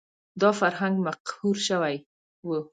دا فرهنګ مقهور شوی و